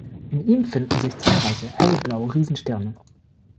In ihm finden sich zahlreiche helle, blaue Riesensterne.